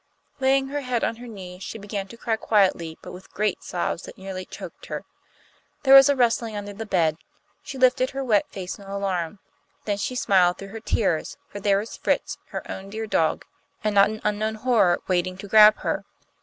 Laying her head on her knees, she began to cry quietly, but with great sobs that nearly choked her. There was a rustling under the bed. She lifted her wet face in alarm. Then she smiled through her tears, for there was Fritz, her own dear dog, and not an unknown horror waiting to grab her.